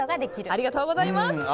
ありがとうございます。